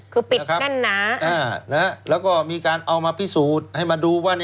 คือปิดแน่นหนาแล้วก็มีการเอามาพิสูจน์ให้มาดูว่า